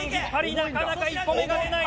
なかなか一歩目が出ない！